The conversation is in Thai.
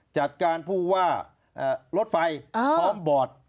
จัดการผู้ว่าลดไฟพร้อมบอร์ดทั้งหมด